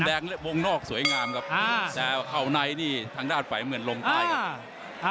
มุมแดงวงนอกสวยงามครับแซวเขาในนี่ทางด้านฝัยเหมือนลมใต้ครับ